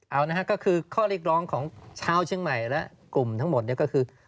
เอานะฮะก็คือข้อเรียกร้องของชาวเชียงใหม่และกลุ่มทั้งหมดเนี่ยก็คือ